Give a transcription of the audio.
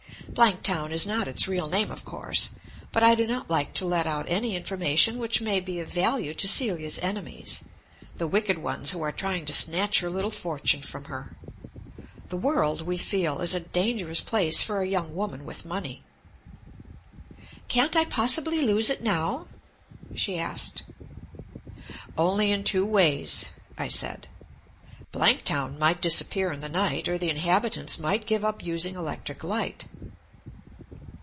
Blanktown is not its real name, of course; but I do not like to let out any information which may be of value to Celia's enemies the wicked ones who are trying to snatch her little fortune from her. The world, we feel, is a dangerous place for a young woman with money. "Can't I possibly lose it now?" she asked. "Only in two ways," I said. "Blanktown might disappear in the night, or the inhabitants might give up using electric light."